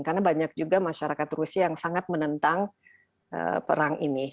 karena banyak juga masyarakat rusia yang sangat menentang perang ini